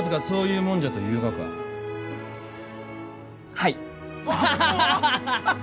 はい。